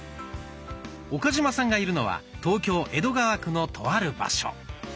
岡嶋さんがいるのは東京・江戸川区のとある場所。